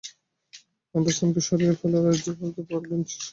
অ্যান্ডারসনকে সরিয়ে ফেলার পর, এজরাকে পার্ক বেঞ্চের কাছে নিয়ে আসবো আমি।